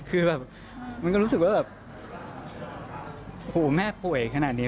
คือแบบมันก็รู้สึกว่าแบบหูแม่ป่วยขนาดนี้